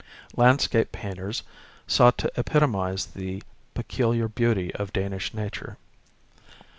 Landscape painters sought to epitomize the peculiar beauty of Danish nature.